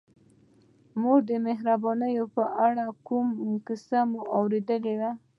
د مور د مهربانیو په اړه که کومه کیسه مو اورېدلې وي.